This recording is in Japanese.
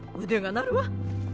腕が鳴るわ。